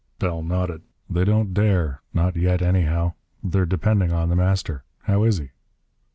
Bell nodded. "They don't dare. Not yet, anyhow. They're depending on The Master. How is he?"